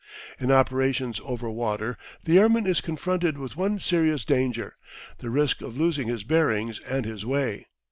In operations over water the airman is confronted with one serious danger the risk of losing his bearings and his way.